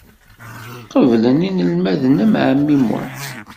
Qebblen inelmaden am ɛemmi Muḥ.